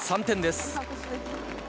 ３点です。